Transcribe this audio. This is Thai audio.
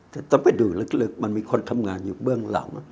แต่ต้องไปดูลึกมันมีคนทำงานอยู่เบื้องหลัง